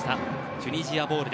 チュニジアボール。